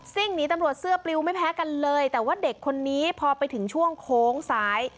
่งหนีตำรวจเสื้อปลิวไม่แพ้กันเลยแต่ว่าเด็กคนนี้พอไปถึงช่วงโค้งซ้าย